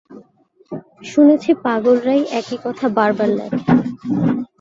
শুনেছি পাগলরাই একই কথা বারবার লেখে।